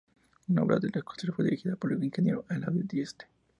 La obra de reconstrucción fue dirigida por el ingeniero Eladio Dieste.